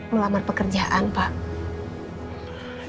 melamar pekerjaan pak